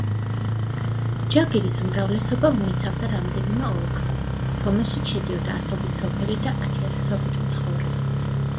ჯაგირის უმრავლესობა მოიცავდა რამდენიმე ოლქს, რომელშიც შედიოდა ასობით სოფელი და ათიათასობით მცხოვრები.